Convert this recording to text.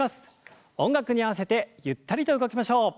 音楽に合わせてゆったりと動きましょう。